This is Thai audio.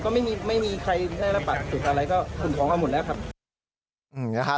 ก็ไม่มีใครได้รับปรับสุขอะไรก็ขุนของก็หมดแล้วครับ